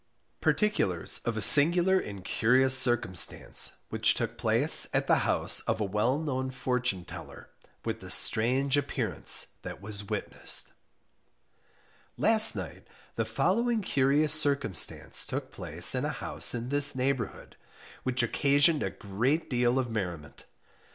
PARTICULARS Of a Singular and Curious Circumstance Which took place at the House of a well known FORTUNE TELLER, With the strange appearance that was witnessed, Last night the following curious circumstance took place in a house in this neighbourhood, which occasioned a great deal of merriment.